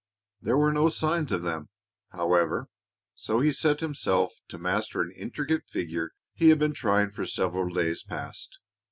There were no signs of them, however, so he set himself to master an intricate figure he had been trying for several days past.